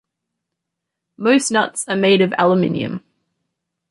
Most nuts are made of aluminum.